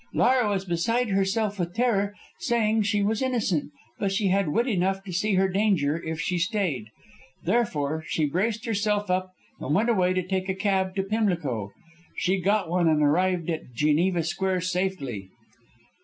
Laura was beside herself with terror, saying that she was innocent; but she had wit enough to see her danger if she stayed. Therefore, she braced herself up and went away to take a cab to Pimlico. She got one and arrived at Geneva Square safely."